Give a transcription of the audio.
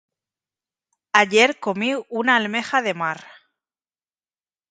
Ayer comí una almeja de mar.